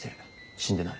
死んでない。